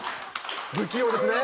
不器用ですね。